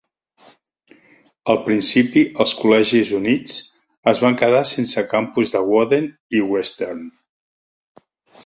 Al principi, els col·legis units es van quedar sense campus de Woden i Weston.